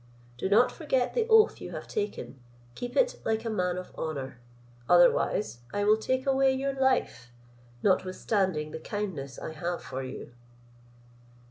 Do not forget the oath you have taken: keep it like a man of honour; otherwise I will take away your life, notwithstanding the kindness I have for you."